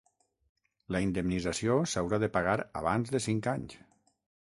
La indemnització s'haurà de pagar abans de cinc anys.